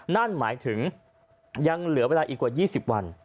นั่นหมายถึงยังเหลือเวลาอีกกว่า๒๐วัน